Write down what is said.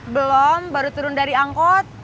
belum baru turun dari angkot